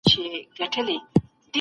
د ټولنيز عدالت د ټينګښت لپاره هڅه وکړئ.